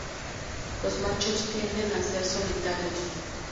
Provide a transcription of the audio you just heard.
Los machos tienden a ser solitarios.